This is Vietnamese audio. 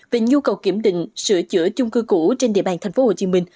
về nhu cầu kiểm định sửa chữa chung cư cũ trên địa bàn tp hcm